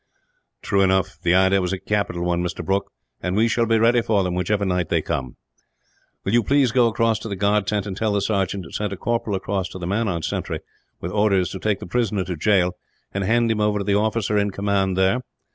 "True enough. The idea was a capital one, Mr. Brooke; and we shall be ready for them, whichever night they come. "Will you please go across to the guard tent, and tell the sergeant to send a corporal across to the man on sentry, with orders to take the prisoner to the jail, and hand him over to the officer in command there?